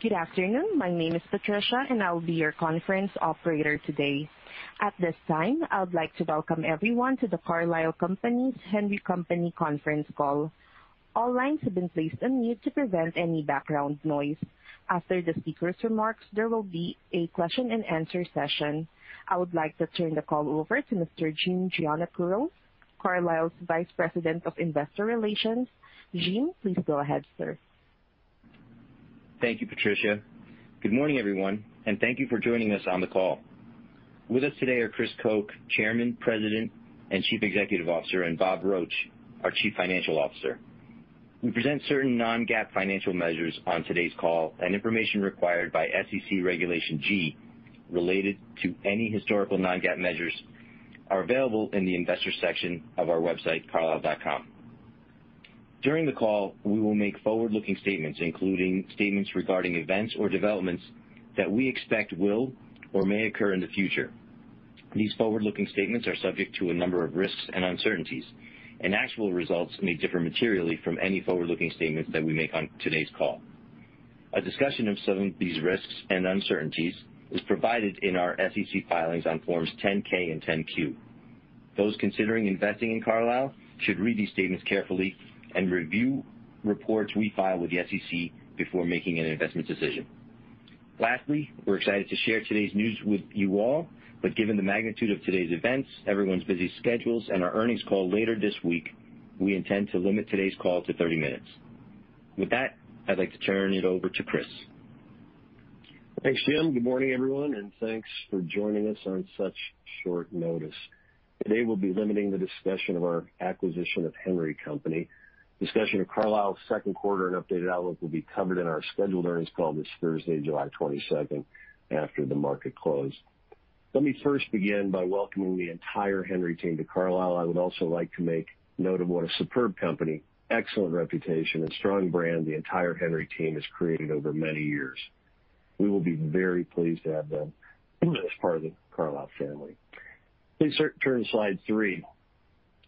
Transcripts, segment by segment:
Good afternoon. My name is Patricia, and I'll be your conference operator today. At this time, I would like to welcome everyone to the Carlisle Companies Kevin Zdimal conference call. All lines have been placed on mute to prevent any background noise. After the speaker's remarks, there will be a question-and-answer session. I would like to turn the call over to Mr. Jim Giannakouros, Carlisle's Vice President of Investor Relations. Jim, please go ahead, sir. Thank you, Patricia. Good morning, everyone, and thank you for joining us on the call. With us today are Chris Koch, Chairman, President, and Chief Executive Officer, and Bob Roche, our Chief Financial Officer. We present certain non-GAAP financial measures on today's call, and information required by SEC Regulation G related to any historical non-GAAP measures are available in the investor section of our website, carlisle.com. During the call, we will make forward-looking statements, including statements regarding events or developments that we expect will or may occur in the future. These forward-looking statements are subject to a number of risks and uncertainties, and actual results may differ materially from any forward-looking statements that we make on today's call. A discussion of some of these risks and uncertainties is provided in our SEC filings on Forms 10-K and 10-Q. Those considering investing in Carlisle should read these statements carefully and review reports we file with the SEC before making an investment decision. Lastly, we're excited to share today's news with you all, but given the magnitude of today's events, everyone's busy schedules, and our earnings call later this week, we intend to limit today's call to 30 minutes. With that, I'd like to turn it over to Chris. Thanks, Jim. Good morning, everyone, and thanks for joining us on such short notice. Today, we'll be limiting the discussion of our acquisition of Henry Company. Discussion of Carlisle's second quarter and updated outlook will be covered in our scheduled earnings call this Thursday, July 22nd, after the market close. Let me first begin by welcoming the entire Henry team to Carlisle. I would also like to make note of what a superb company, excellent reputation, and strong brand the entire Henry team has created over many years. We will be very pleased to have them as part of the Carlisle family. Please turn to slide three.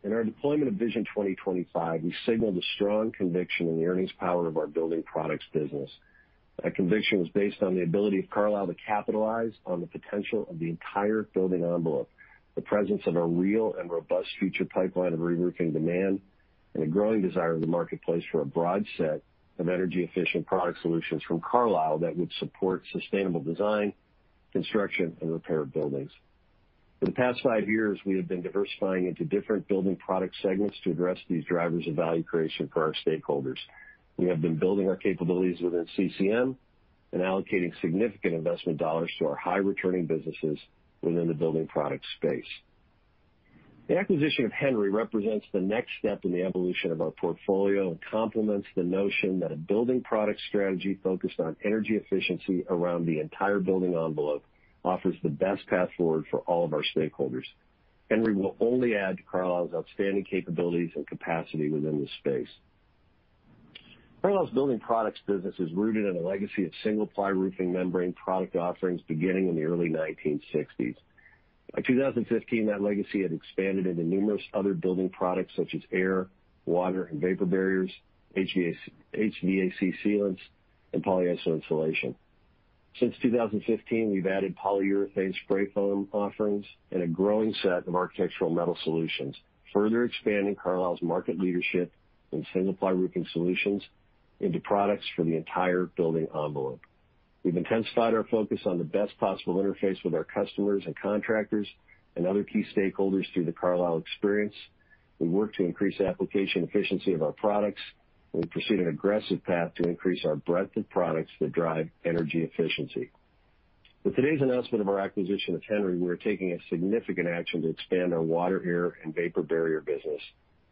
In our deployment of Vision 2025, we signaled a strong conviction in the earnings power of our building products business. That conviction was based on the ability of Carlisle to capitalize on the potential of the entire building envelope, the presence of a real and robust future pipeline of reroofing demand, and a growing desire in the marketplace for a broad set of energy-efficient product solutions from Carlisle that would support sustainable design, construction, and repair of buildings. For the past five years, we have been diversifying into different building product segments to address these drivers of value creation for our stakeholders. We have been building our capabilities within CCM and allocating significant investment dollars to our high-returning businesses within the building product space. The acquisition of Henry represents the next step in the evolution of our portfolio and complements the notion that a building product strategy focused on energy efficiency around the entire building envelope offers the best path forward for all of our stakeholders. Henry will only add to Carlisle's outstanding capabilities and capacity within this space. Carlisle's building products business is rooted in a legacy of single-ply roofing membrane product offerings beginning in the early 1960s. By 2015, that legacy had expanded into numerous other building products such as air, water, and vapor barriers, HVAC sealants, and polyiso. Since 2015, we've added polyurethane spray foam offerings and a growing set of architectural metal solutions, further expanding Carlisle's market leadership in single-ply roofing solutions into products for the entire building envelope. We've intensified our focus on the best possible interface with our customers and contractors and other key stakeholders through the Carlisle Experience. We work to increase application efficiency of our products, and we pursue an aggressive path to increase our breadth of products that drive energy efficiency. With today's announcement of our acquisition of Henry, we are taking a significant action to expand our water, air, and vapor barrier business,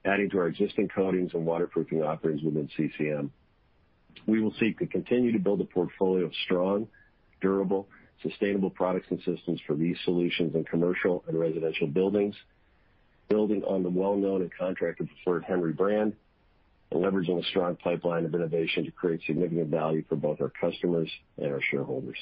adding to our existing coatings and waterproofing offerings within CCM. We will seek to continue to build a portfolio of strong, durable, sustainable products and systems for these solutions in commercial and residential buildings, building on the well-known and contractor preferred Henry brand, and leveraging a strong pipeline of innovation to create significant value for both our customers and our shareholders.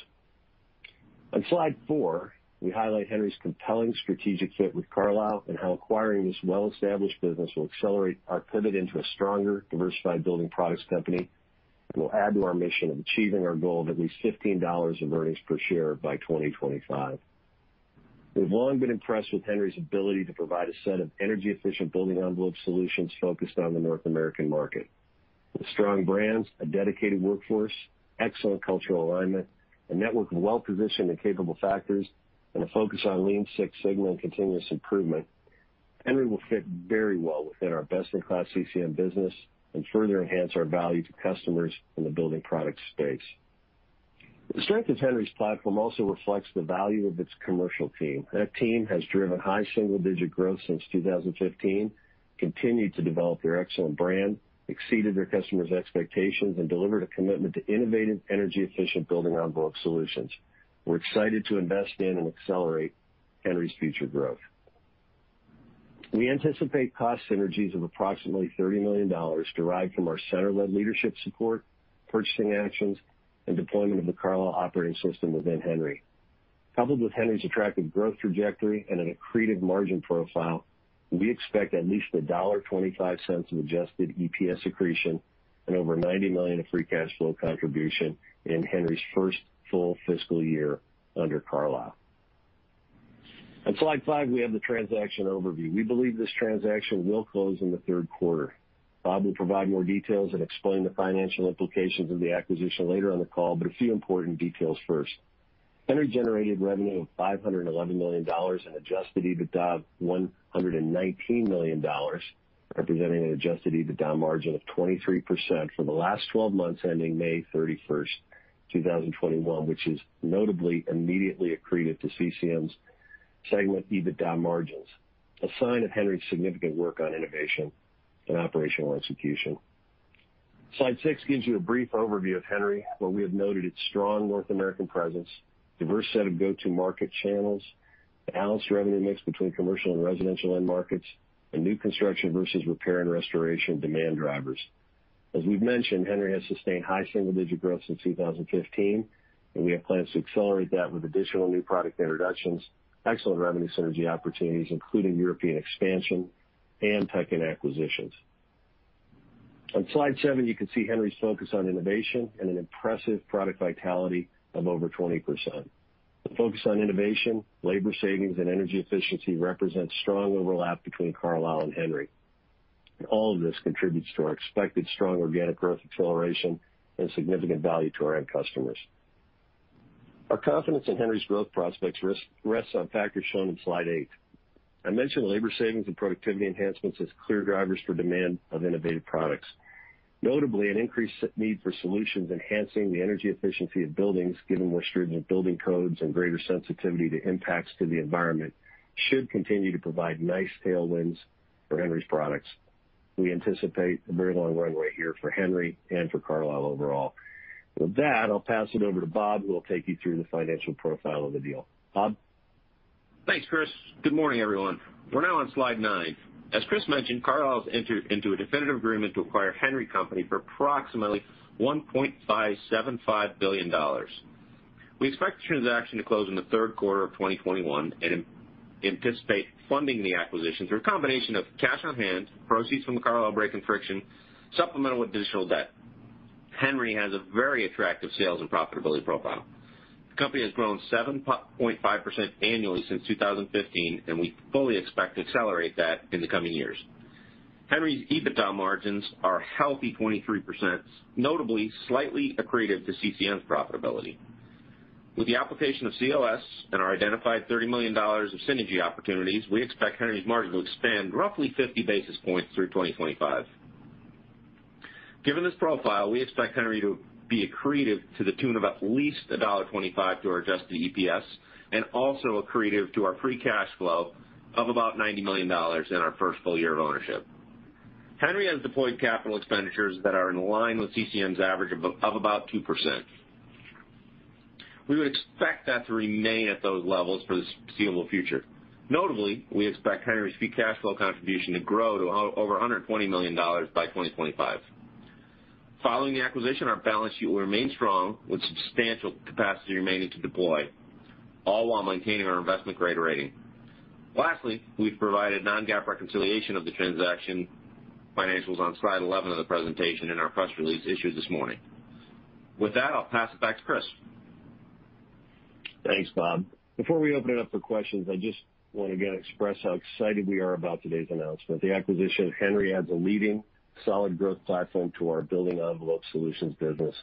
On slide four, we highlight Henry's compelling strategic fit with Carlisle and how acquiring this well-established business will accelerate our pivot into a stronger, diversified building products company and will add to our mission of achieving our goal of at least $15 of earnings per share by 2025. We've long been impressed with Henry's ability to provide a set of energy-efficient building envelope solutions focused on the North American market. With strong brands, a dedicated workforce, excellent cultural alignment, a network of well-positioned and capable facilities, and a focus on Lean Six Sigma and continuous improvement, Henry will fit very well within our best-in-class CCM business and further enhance our value to customers in the building product space. The strength of Henry's platform also reflects the value of its commercial team. That team has driven high single-digit growth since 2015, continued to develop their excellent brand, exceeded their customers' expectations, and delivered a commitment to innovative energy-efficient building envelope solutions. We're excited to invest in and accelerate Henry's future growth. We anticipate cost synergies of approximately $30 million derived from our center-led leadership support, purchasing actions, and deployment of the Carlisle Operating System within Henry. Coupled with Henry's attractive growth trajectory and an accretive margin profile, we expect at least $1.25 of Adjusted EPS accretion and over $90 million of free cash flow contribution in Henry's first full fiscal year under Carlisle. On slide five, we have the transaction overview. We believe this transaction will close in the third quarter. Bob will provide more details and explain the financial implications of the acquisition later on the call, but a few important details first. Henry generated revenue of $511 million and Adjusted EBITDA of $119 million, representing an Adjusted EBITDA margin of 23% for the last 12 months ending May 31st, 2021, which is notably immediately accretive to CCM's segment EBITDA margins, a sign of Henry's significant work on innovation and operational execution. Slide six gives you a brief overview of Henry, where we have noted its strong North American presence, a diverse set of go-to-market channels, the balanced revenue mix between commercial and residential end markets, and new construction versus repair and restoration demand drivers. As we've mentioned, Henry has sustained high single-digit growth since 2015, and we have plans to accelerate that with additional new product introductions, excellent revenue synergy opportunities, including European expansion and tuck-in acquisitions. On slide seven, you can see Henry's focus on innovation and an impressive product vitality of over 20%. The focus on innovation, labor savings, and energy efficiency represents strong overlap between Carlisle and Henry. All of this contributes to our expected strong organic growth acceleration and significant value to our end customers. Our confidence in Henry's growth prospects rests on factors shown in slide eight. I mentioned labor savings and productivity enhancements as clear drivers for demand of innovative products. Notably, an increased need for solutions enhancing the energy efficiency of buildings, given more stringent building codes and greater sensitivity to impacts to the environment, should continue to provide nice tailwinds for Henry's products. We anticipate a very long runway here for Henry and for Carlisle overall. With that, I'll pass it over to Bob, who will take you through the financial profile of the deal. Bob. Thanks, Chris. Good morning, everyone. We're now on slide nine. As Chris mentioned, Carlisle has entered into a definitive agreement to acquire Henry Company for approximately $1.575 billion. We expect the transaction to close in the third quarter of 2021 and anticipate funding the acquisition through a combination of cash on hand, proceeds from the Carlisle Brake & Friction, supplemental additional debt. Henry has a very attractive sales and profitability profile. The company has grown 7.5% annually since 2015, and we fully expect to accelerate that in the coming years. Henry's EBITDA margins are healthy 23%, notably slightly accretive to CCM's profitability. With the application of COS and our identified $30 million of synergy opportunities, we expect Henry's margin to expand roughly 50 basis points through 2025. Given this profile, we expect Henry to be accretive to the tune of at least $1.25 to our Adjusted EPS and also accretive to our Free Cash Flow of about $90 million in our first full year of ownership. Henry has deployed capital expenditures that are in line with CCM's average of about 2%. We would expect that to remain at those levels for the foreseeable future. Notably, we expect Henry's Free Cash Flow contribution to grow to over $120 million by 2025. Following the acquisition, our balance sheet will remain strong with substantial capacity remaining to deploy, all while maintaining our investment-grade rating. Lastly, we've provided non-GAAP reconciliation of the transaction financials on slide 11 of the presentation in our press release issued this morning. With that, I'll pass it back to Chris. Thanks, Bob. Before we open it up for questions, I just want to express how excited we are about today's announcement. The acquisition of Henry adds a leading solid growth platform to our building envelope solutions business.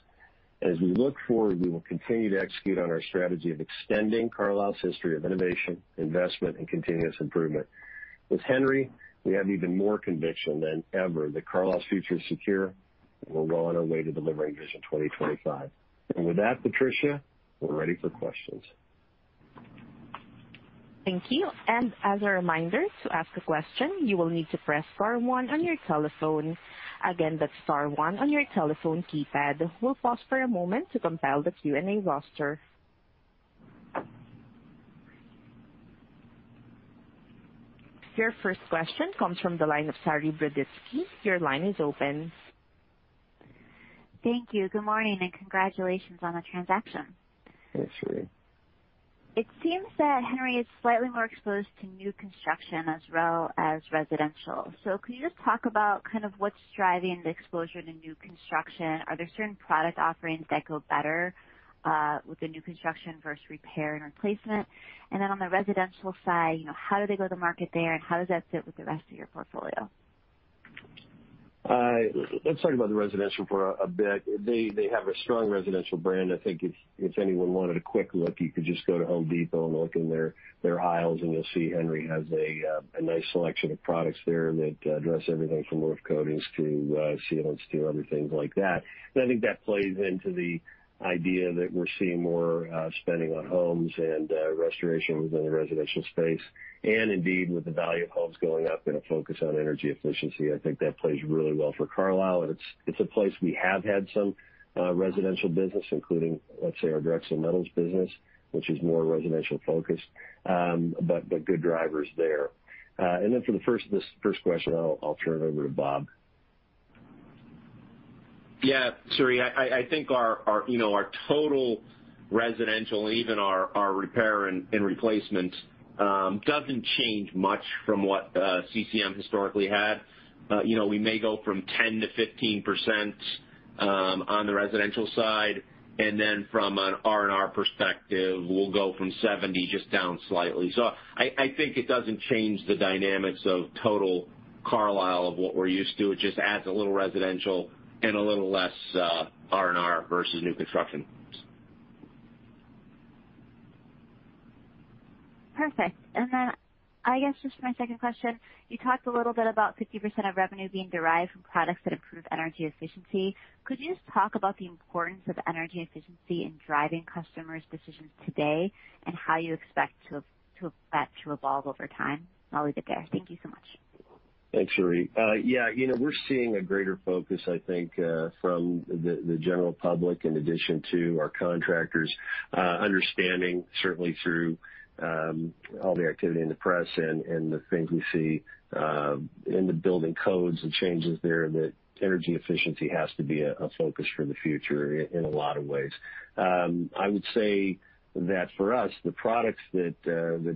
As we look forward, we will continue to execute on our strategy of extending Carlisle's history of innovation, investment, and continuous improvement. With Henry, we have even more conviction than ever that Carlisle's future is secure and we're well on our way to delivering Vision 2025. And with that, Patricia, we're ready for questions. Thank you. And as a reminder, to ask a question, you will need to press star one on your telephone. Again, that's star one on your telephone keypad. We'll pause for a moment to compile the Q&A roster. Your first question comes from the line of Saree Boroditsky. Your line is open. Thank you. Good morning and congratulations on the transaction. Thanks, Saree. It seems that Henry is slightly more exposed to new construction as well as residential. So can you just talk about kind of what's driving the exposure to new construction? Are there certain product offerings that go better with the new construction versus repair and replacement? And then on the residential side, how do they go to the market there and how does that fit with the rest of your portfolio? Let's talk about the residential for a bit. They have a strong residential brand. I think if anyone wanted a quick look, you could just go to Home Depot and look in their aisles and you'll see Henry has a nice selection of products there that address everything from roof coatings to sealants, to other things like that. And I think that plays into the idea that we're seeing more spending on homes and restorations in the residential space. And indeed, with the value of homes going up and a focus on energy efficiency, I think that plays really well for Carlisle. And it's a place we have had some residential business, including, let's say, our Drexel Metals business, which is more residential focused, but good drivers there. And then for the first question, I'll turn it over to Bob. Yeah, Saree, I think our total residential and even our repair and replacement doesn't change much from what CCM historically had. We may go from 10%-15% on the residential side, and then from an R&R perspective, we'll go from 70% just down slightly. So I think it doesn't change the dynamics of total Carlisle of what we're used to. It just adds a little residential and a little less R&R versus new construction. Perfect. And then I guess just my second question. You talked a little bit about 50% of revenue being derived from products that improve energy efficiency. Could you just talk about the importance of energy efficiency in driving customers' decisions today and how you expect that to evolve over time? I'll leave it there. Thank you so much. Thanks, Saree. Yeah, we're seeing a greater focus, I think, from the general public in addition to our contractors understanding, certainly through all the activity in the press and the things we see in the building codes and changes there, that energy efficiency has to be a focus for the future in a lot of ways. I would say that for us, the products that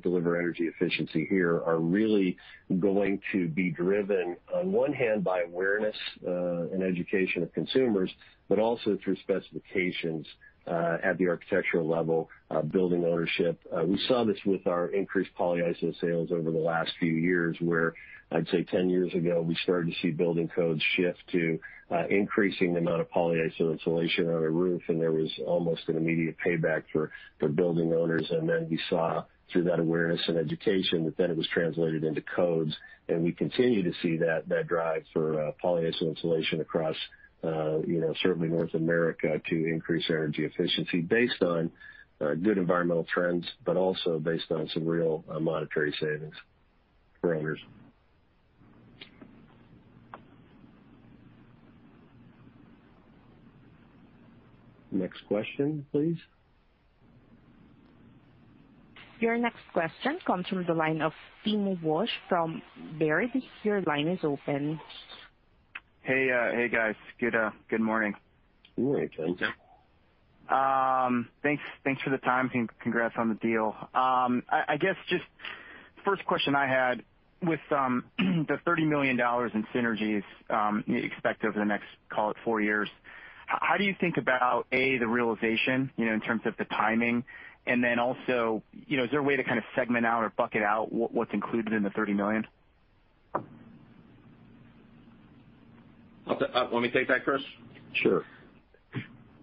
deliver energy efficiency here are really going to be driven, on one hand, by awareness and education of consumers, but also through specifications at the architectural level, building ownership. We saw this with our increased polyiso sales over the last few years, where I'd say 10 years ago, we started to see building codes shift to increasing the amount of polyiso insulation on a roof, and there was almost an immediate payback for building owners. Then we saw, through that awareness and education, that then it was translated into codes. We continue to see that drive for polyiso insulation across certainly North America to increase energy efficiency based on good environmental trends, but also based on some real monetary savings for owners. Next question, please. Your next question comes from the line of Tim Wojs from Baird. Your line is open. Hey, guys. Good morning. Good morning, guys. Thanks for the time. Congrats on the deal. I guess just first question I had with the $30 million in synergies you expect over the next, call it, four years. How do you think about, A, the realization in terms of the timing? And then also, is there a way to kind of segment out or bucket out what's included in the $30 million? Let me take that, Chris. Sure.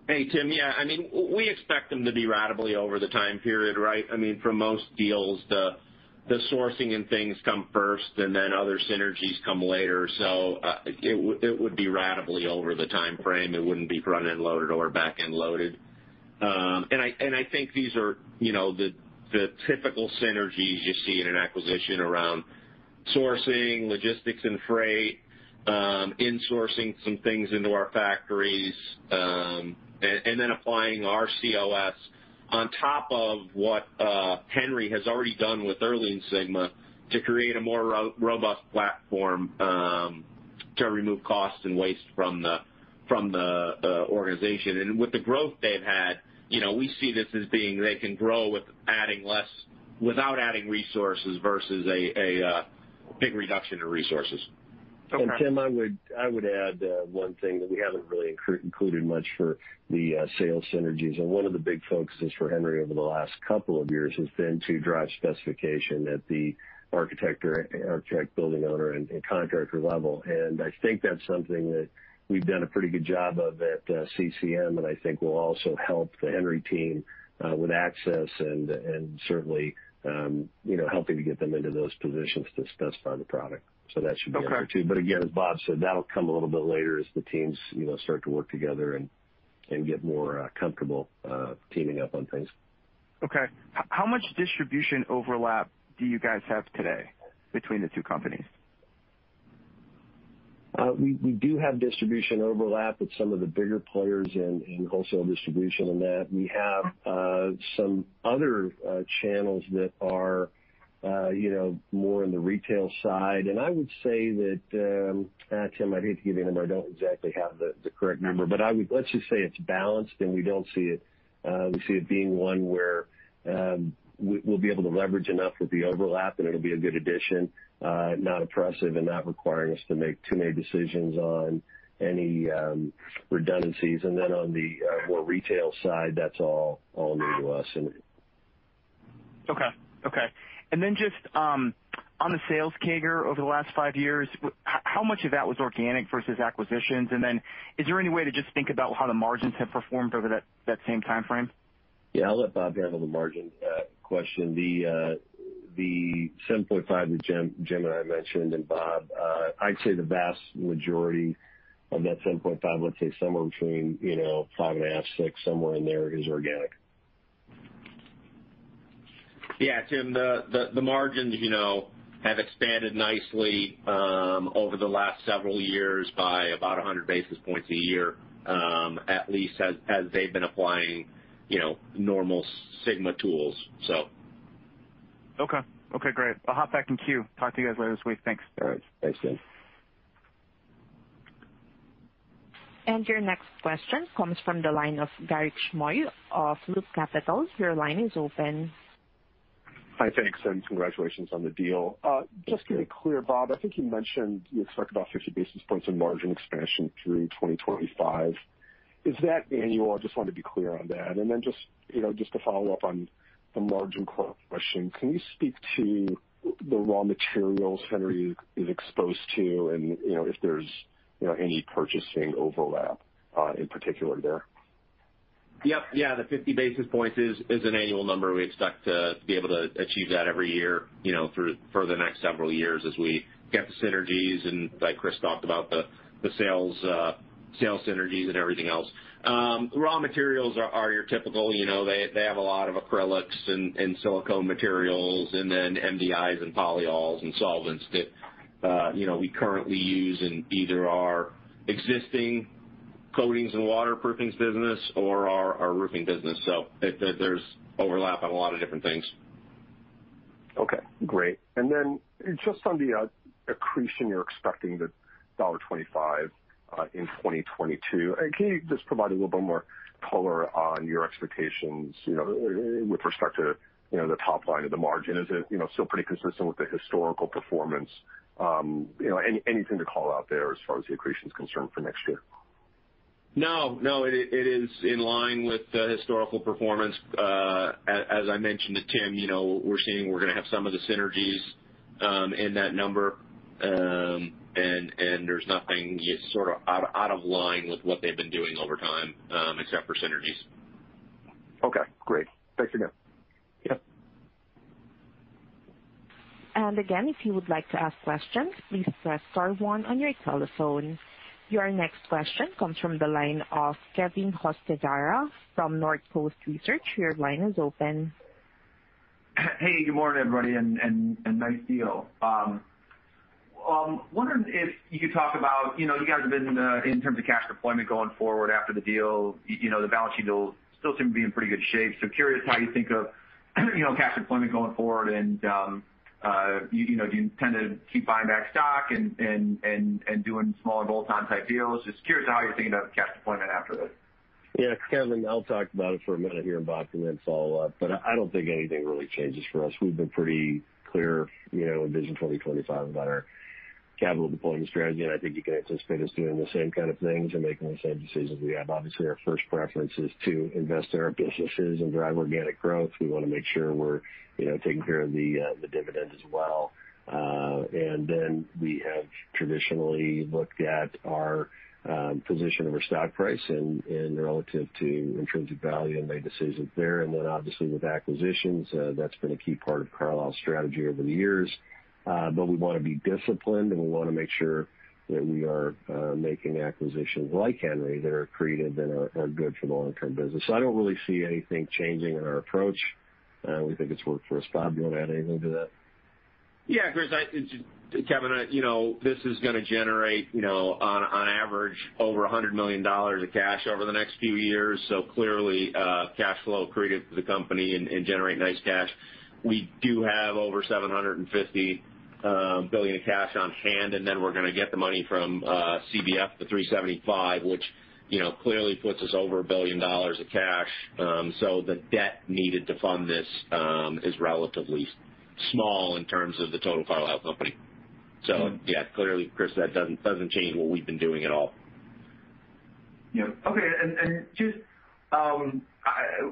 Hey, Tim, yeah. I mean, we expect them to be ratably over the time period, right? I mean, for most deals, the sourcing and things come first, and then other synergies come later. So it would be ratably over the time frame. It wouldn't be front-end loaded or back-end loaded. And I think these are the typical synergies you see in an acquisition around sourcing, logistics and freight, insourcing some things into our factories, and then applying our COS on top of what Henry has already done with Lean Six Sigma to create a more robust platform to remove costs and waste from the organization. And with the growth they've had, we see this as being they can grow without adding resources versus a big reduction in resources. And Tim, I would add one thing that we haven't really included much for the sales synergies. And one of the big focuses for Henry over the last couple of years has been to drive specification at the architect, building owner, and contractor level. And I think that's something that we've done a pretty good job of at CCM, and I think will also help the Henry team with access and certainly helping to get them into those positions to specify the product. So that should be up there too. But again, as Bob said, that'll come a little bit later as the teams start to work together and get more comfortable teaming up on things. Okay. How much distribution overlap do you guys have today between the two companies? We do have distribution overlap with some of the bigger players in wholesale distribution and that. We have some other channels that are more in the retail side, and I would say that, Tim, I'd hate to give you a number. I don't exactly have the correct number, but let's just say it's balanced, and we don't see it. We see it being one where we'll be able to leverage enough with the overlap, and it'll be a good addition, not oppressive and not requiring us to make too many decisions on any redundancies, and then on the more retail side, that's all new to us. Okay. Okay. And then just on the CAGR over the last five years, how much of that was organic versus acquisitions? And then is there any way to just think about how the margins have performed over that same time frame? Yeah, I'll let Bob handle the margin question. The 7.5 that Jim and I mentioned, and Bob, I'd say the vast majority of that 7.5, let's say somewhere between 5.5, 6, somewhere in there is organic. Yeah, Tim, the margins have expanded nicely over the last several years by about 100 basis points a year, at least as they've been applying Lean Six Sigma tools, so. Okay. Okay, great. I'll hop back in queue. Talk to you guys later this week. Thanks. All right. Thanks, Tim. Your next question comes from the line of Garik Shmois of Loop Capital. Your line is open. Hi, thanks, and congratulations on the deal. Just to be clear, Bob, I think you mentioned you talked about 50 basis points in margin expansion through 2025. Is that annual? I just want to be clear on that. And then just to follow up on the margin question, can you speak to the raw materials Henry is exposed to and if there's any purchasing overlap in particular there? Yep. Yeah, the 50 basis points is an annual number. We expect to be able to achieve that every year for the next several years as we get the synergies and, like Chris talked about, the sales synergies and everything else. Raw materials are your typical. They have a lot of acrylics and silicone materials and then MDIs and polyols and solvents that we currently use in either our existing coatings and waterproofing business or our roofing business. So there's overlap on a lot of different things. Okay. Great. And then just on the accretion, you're expecting the $1.25 in 2022. Can you just provide a little bit more color on your expectations with respect to the top line of the margin? Is it still pretty consistent with the historical performance? Anything to call out there as far as the accretion is concerned for next year? No, no. It is in line with the historical performance. As I mentioned to Tim, we're seeing we're going to have some of the synergies in that number, and there's nothing sort of out of line with what they've been doing over time except for synergies. Okay. Great. Thanks again. Yep. Again, if you would like to ask questions, please press star one on your telephone. Your next question comes from the line of Kevin Hocevar from Northcoast Research. Your line is open. Hey, good morning, everybody, and nice deal. Wondering if you could talk about how you guys have been, in terms of cash deployment going forward after the deal. The balance sheet still seems to be in pretty good shape. So, curious how you think of cash deployment going forward, and do you intend to keep buying back stock and doing smaller bolt-on type deals? Just curious how you're thinking of cash deployment after this. Yeah, Kevin. I'll talk about it for a minute here, and Bob can then follow up. But I don't think anything really changes for us. We've been pretty clear in Vision 2025 about our capital deployment strategy, and I think you can anticipate us doing the same kind of things and making the same decisions we have. Obviously, our first preference is to invest in our businesses and drive organic growth. We want to make sure we're taking care of the dividend as well. And then we have traditionally looked at our position of our stock price relative to intrinsic value and made decisions there. And then obviously, with acquisitions, that's been a key part of Carlisle's strategy over the years. But we want to be disciplined, and we want to make sure that we are making acquisitions like Henry that are creative and are good for the long-term business. So I don't really see anything changing in our approach. We think it's worked for us. Bob, do you want to add anything to that? Yeah, Chris. Kevin, this is going to generate, on average, over $100 million of cash over the next few years. So clearly, cash flow accretive for the company and generate nice cash. We do have over $750 million of cash on hand, and then we're going to get the money from CBF, $375 million, which clearly puts us over a billion dollars of cash. So the debt needed to fund this is relatively small in terms of the total Carlisle company. So yeah, clearly, Chris, that doesn't change what we've been doing at all. Yep. Okay. And just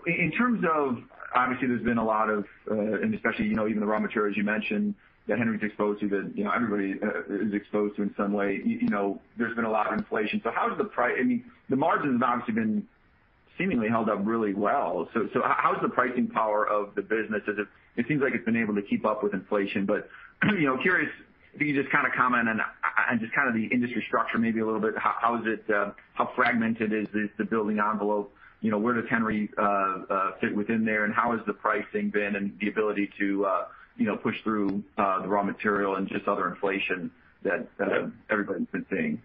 in terms of, obviously, there's been a lot of, and especially even the raw materials you mentioned that Henry's exposed to, that everybody is exposed to in some way, there's been a lot of inflation. So how has the pricing I mean, the margins have obviously been seemingly held up really well. So, how has the pricing power of the business? It seems like it's been able to keep up with inflation. But, curious, if you could just kind of comment on just kind of the industry structure maybe a little bit. How fragmented is the building envelope? Where does Henry fit within there, and how has the pricing been and the ability to push through the raw material and just other inflation that everybody's been seeing?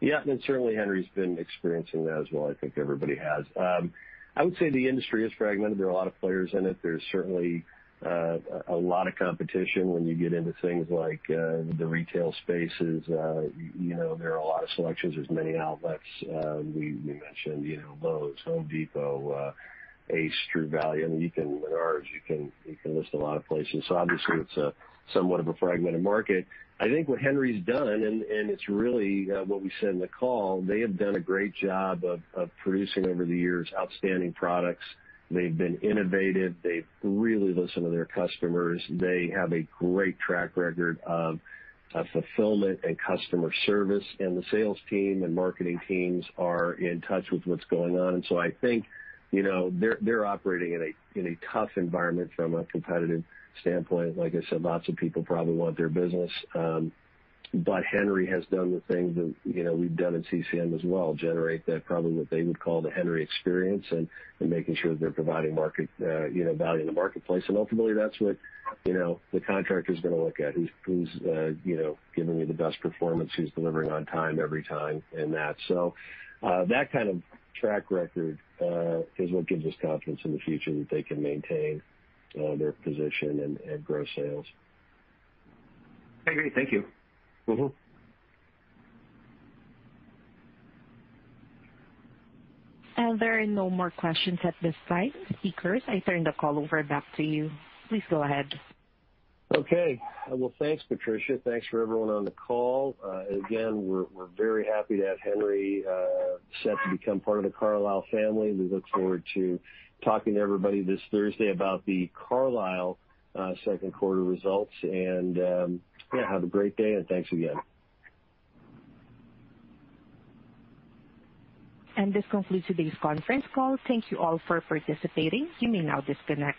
Yeah, and certainly Henry's been experiencing that as well. I think everybody has. I would say the industry is fragmented. There are a lot of players in it. There's certainly a lot of competition when you get into things like the retail spaces. There are a lot of selections. There's many outlets. We mentioned Lowe's, Home Depot, Ace, True Value, and Menards. You can list a lot of places. So obviously, it's somewhat of a fragmented market. I think what Henry's done, and it's really what we said in the call, they have done a great job of producing over the years outstanding products. They've been innovative. They've really listened to their customers. They have a great track record of fulfillment and customer service. And the sales team and marketing teams are in touch with what's going on. And so I think they're operating in a tough environment from a competitive standpoint. Like I said, lots of people probably want their business. But Henry has done the things that we've done at CCM as well, generate probably what they would call the Henry experience and making sure that they're providing value in the marketplace. And ultimately, that's what the contractor's going to look at. Who's giving me the best performance? Who's delivering on time every time and that? So that kind of track record is what gives us confidence in the future that they can maintain their position and grow sales. Hey, great. Thank you. There are no more questions at this time, speakers. I turn the call back over to you. Please go ahead. Okay. Well, thanks, Patricia. Thanks for everyone on the call. Again, we're very happy to have Henry set to become part of the Carlisle family. We look forward to talking to everybody this Thursday about the Carlisle second quarter results. And yeah, have a great day and thanks again. This concludes today's conference call. Thank you all for participating. You may now disconnect.